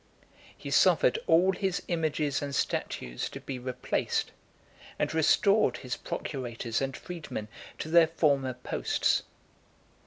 He suffered all his images and statues to be replaced, and restored his procurators and freedmen to their former posts.